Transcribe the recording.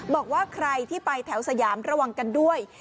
บอกว่าใครที่ไปแถวสยามระวังกันด้วย